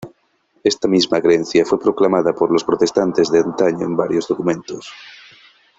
Esta misma creencia fue proclamada por los protestantes de antaño en varios documentos.